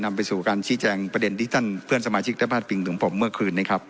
นำไปสู่การชี้แจงประเด็นดิจันทร์เพื่อนสมาชิกฤษภาษาปริงถึงผมเมื่อคืนนะครับ